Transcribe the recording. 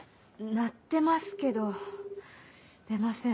鳴ってますけど出ません。